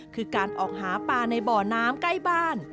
คือการออกหาปลาในบ่อน้ำใกล้บ้าน